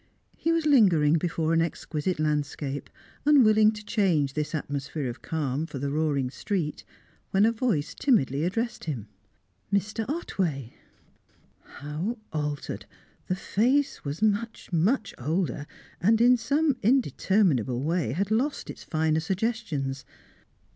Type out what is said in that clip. He was lingering before an exquisite landscape, unwilling to change this atmosphere of calm for the roaring street, when a voice timidly addressed him: "Mr. Otway!" How altered! The face was much, much older, and in some indeterminable way had lost its finer suggestions.